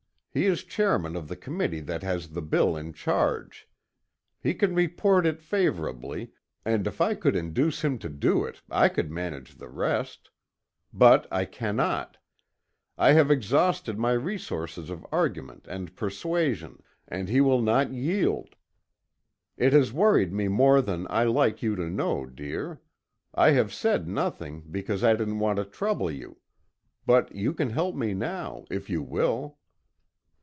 He is chairman of the committee that has the bill in charge. He can report it favorably, and if I could induce him to do it, I could manage the rest. But I cannot. I have exhausted my resources of argument and persuasion, and he will not yield. It has worried me more than I like you to know, dear. I have said nothing, because I didn't want to trouble you. But you can help me now, if you will."